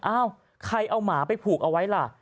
อ้าวใครเอาหมาไปผูกเอาไว้ล่ะ